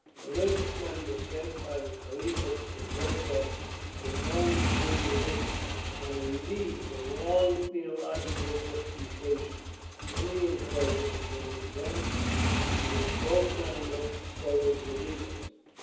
Religious men were sent by the Khalifa to convert them to the only true religion; and indeed the long theological disputations in the enclosure became events to which both men looked forward with eagerness.